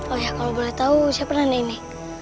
oh ya kalau boleh tahu siapa nenek ini